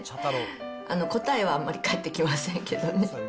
答えはあんまり返ってきませんけどね。